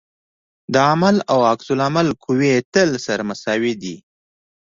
د عمل او عکس العمل قوې تل سره مساوي دي.